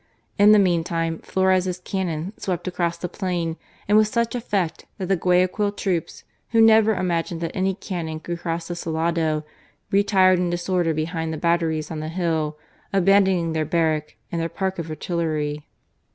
In the meantime, Flores' cannon swept THE TAKING OF GUAYAQUIL. loi across the plain, and with such effect that the Guayaquil troops, who never imagined that any cannon could cross the Salado, retired in disorder behind the batteries on the hill, abandoning their barrack and their park of artillery.